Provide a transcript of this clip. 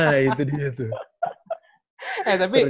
nah itu dia tuh